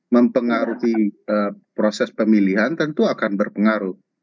mempengaruhi proses pemilihan tentu akan berpengaruh